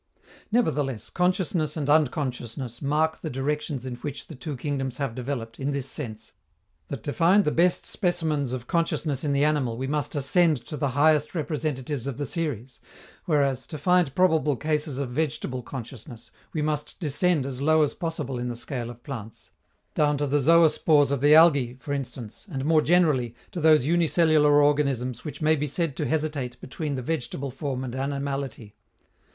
Nevertheless, consciousness and unconsciousness mark the directions in which the two kingdoms have developed, in this sense, that to find the best specimens of consciousness in the animal we must ascend to the highest representatives of the series, whereas, to find probable cases of vegetable consciousness, we must descend as low as possible in the scale of plants down to the zoospores of the algae, for instance, and, more generally, to those unicellular organisms which may be said to hesitate between the vegetable form and animality.